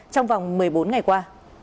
trong vòng một mươi bốn ngày qua